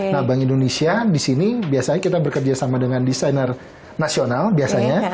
nah bank indonesia di sini biasanya kita bekerja sama dengan desainer nasional biasanya